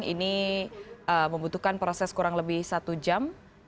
ini membutuhkan proses kurang lebih satu jam